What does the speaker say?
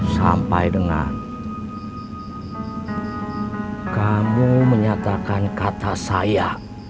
sampai dengan kamu menyatakan kata saya